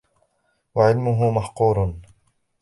وَعِلْمُهُ مَحْقُورٌ